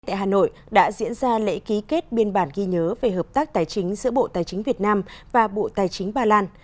tại hà nội đã diễn ra lễ ký kết biên bản ghi nhớ về hợp tác tài chính giữa bộ tài chính việt nam và bộ tài chính ba lan